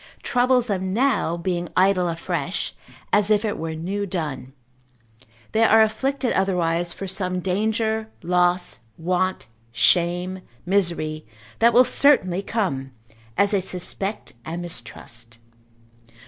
troubles them now being idle afresh, as if it were new done; they are afflicted otherwise for some danger, loss, want, shame, misery, that will certainly come, as they suspect and mistrust.